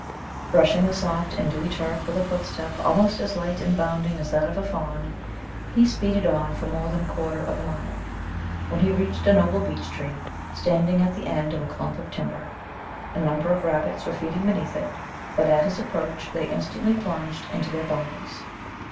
Brushing the soft and dewy turf with a footstep almost as light and bounding as that of a fawn, he speeded on for more than a quarter of a mile, when he reached a noble beech tree standing at the end of a clump of timber. A number of rabbits were feeding beneath it, but at his approach they instantly plunged into their burrows.